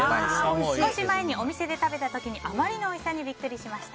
少し前にお店で食べた時にあまりのおいしさにビックリしました。